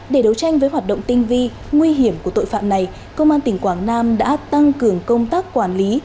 để đấu tranh với hoạt động tinh vi nguy hiểm của tội phạm này công an tỉnh quảng nam đã tăng cường công tác quản lý